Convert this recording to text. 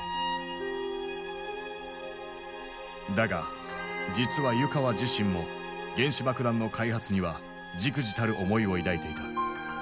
だが実は湯川自身も原子爆弾の開発には忸怩たる思いを抱いていた。